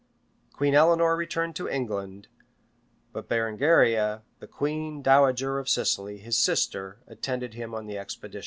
Queen Eleanor returned to England; but Berengaria, and the queen dowager of Sicily, his sister, attended him on the expedition.